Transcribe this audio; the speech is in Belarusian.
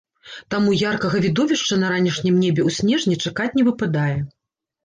Таму яркага відовішча на ранішнім небе ў снежні чакаць не выпадае.